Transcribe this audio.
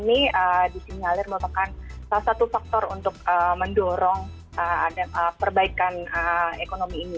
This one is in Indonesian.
ini disinyalir merupakan salah satu faktor untuk mendorong perbaikan ekonomi ini